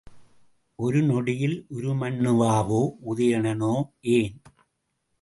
ஒரு நொடியில் உருமண்ணுவாவோ உதயணனோ ஏன்?